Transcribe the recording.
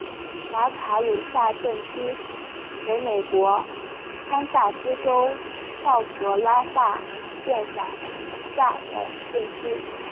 瓦卡鲁萨镇区为美国堪萨斯州道格拉斯县辖下的镇区。